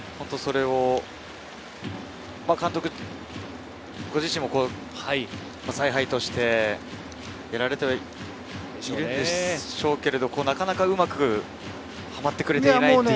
監督ご自身も采配として、やられてはいるでしょうけれど、なかなかうまくはまってくれていない。